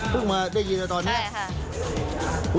เพิ่งมาได้ยินแล้วตอนนี้ใช่ค่ะ